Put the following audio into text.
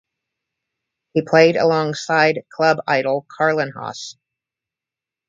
He played alongside club idol Carlinhos.